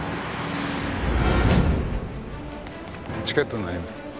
チケットになります。